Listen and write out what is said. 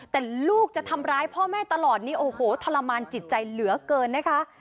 แต่ลูกจะทำร้ายพ่อแม่ตลอดนี่โอ้โหทรมานจิตใจเหลือเกินนะคะ